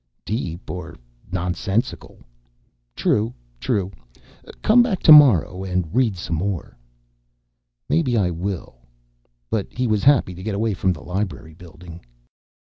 "Deep or nonsensical!" "True. True. Come back tomorrow and read some more." "Maybe I will." But he was happy to get away from the library building.